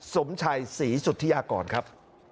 สมชัยศรีสุธิยากรครับ